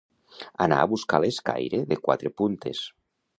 Anar a buscar l'escaire de quatre puntes.